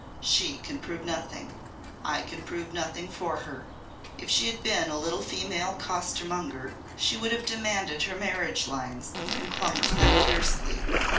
She can prove nothing. I can prove nothing for her. If she had been a little female costermonger she would have demanded her 'marriage lines' and clung to them fiercely.